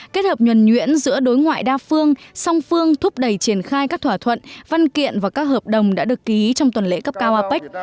kết hợp nhuần nhuyễn giữa đối ngoại đa phương song phương thúc đẩy triển khai các thỏa thuận văn kiện và các hợp đồng đã được ký trong tuần lễ cấp cao apec